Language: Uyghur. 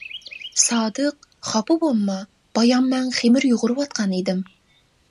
-سادىق، خاپا بولما، بايام مەن خېمىر يۇغۇرۇۋاتقان ئىدىم.